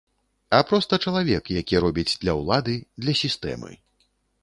А проста чалавек, які робіць для ўлады, для сістэмы.